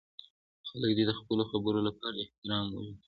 خلک دې د خپلو خبرو لپاره احترام وویني.